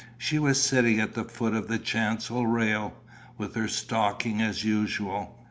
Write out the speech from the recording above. she was sitting at the foot of the chancel rail, with her stocking as usual.